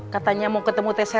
katanya mau ketemu teh serena